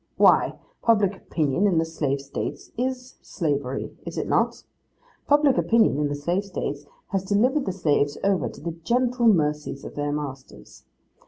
Why, public opinion in the slave States is slavery, is it not? Public opinion, in the slave States, has delivered the slaves over, to the gentle mercies of their masters.